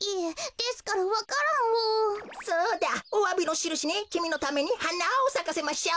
そうだおわびのしるしにきみのためにはなをさかせましょう。